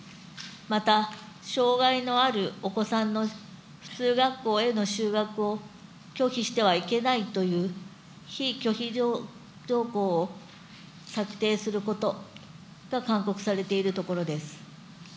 また、障害のあるお子さんの普通学校への就学を拒否してはいけないという非拒否条項を策定することが勧告されているところです。